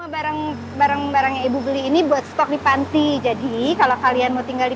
barang barang yang ibu beli ini buat stok di panti jadi kalau kalian mau tinggal di